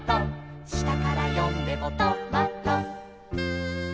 「したからよんでもト・マ・ト」